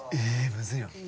むずいな。